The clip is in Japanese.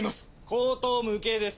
荒唐無稽です。